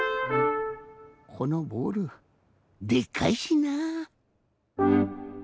このボールでかいしなあ。